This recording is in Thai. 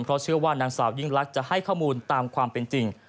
เพราะเชื่อว่านางสาวยิ่งลักษณ์จะให้ข้อมูลตามความเป็นจริง